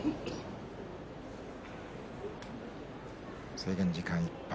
制限時間いっぱい。